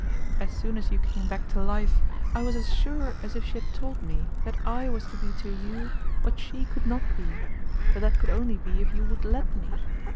As soon as you came back to life, I was as sure as if she had told me that I was to be to you what she could not be, but that could only be if you would let me.